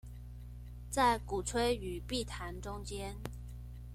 在鼓吹與避談中間